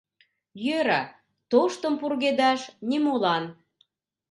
— Йӧра, тоштым пургедаш нимолан.